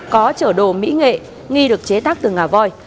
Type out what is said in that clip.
có chở đồ mỹ nghệ nghi được chế tác từ ngà voi